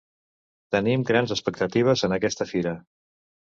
Tenim grans expectatives en aquesta fira.